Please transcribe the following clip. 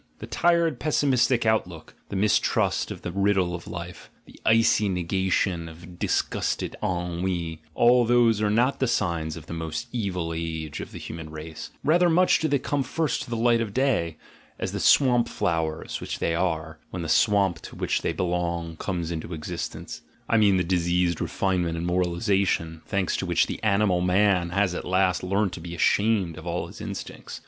The tired pessimistic outlook, the mistrust of the riddle of life, the icy negation of disgusted ennui, all those are not the signs of the most evil age of the human 54 THE GENEALOGY OF MORALS race: much rather do they come first to the light of day, as the swamp flowers, which they are, when the swamp to which they belong, comes into existence — I mean the diseased refinement and moralisation, thanks to which the "animal man" has at last learnt to be ashamed of all his instincts.